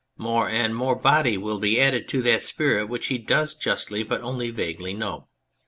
More and more body will be added to that spirit which he does justly, but only vaguely, know.